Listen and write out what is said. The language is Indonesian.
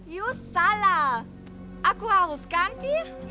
you salah aku harus ganti